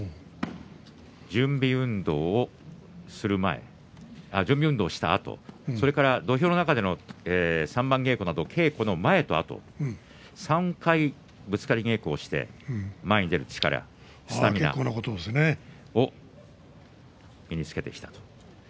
準備運動する前準備運動をしたあとそれから土俵の中での三番稽古など、稽古の前とあと３回ぶつかり稽古をして前に出る力をつけているそうです。